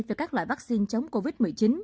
về các loại vaccine chống covid một mươi chín